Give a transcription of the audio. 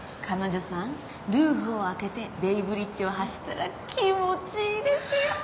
彼女さんルーフを開けてベイブリッジを走ったら気持ちいいですよ！